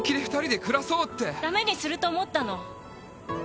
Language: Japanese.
駄目にすると思ったの。